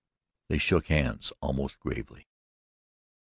They shook hands almost gravely.